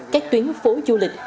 các tuyến phố du lịch